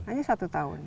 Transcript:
hanya satu tahun